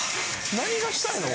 何がしたいの？